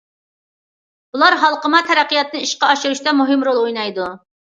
بۇلار ھالقىما تەرەققىياتنى ئىشقا ئاشۇرۇشتا مۇھىم رول ئوينايدۇ.